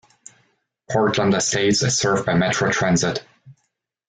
Portland Estates is served by Metro Transit.